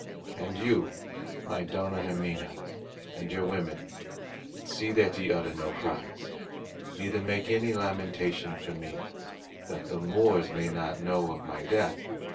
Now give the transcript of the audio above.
And you, my Dona Ximena, and your women, see that ye utter no cries, neither make any lamentation for me, that the Moors may not know of my death.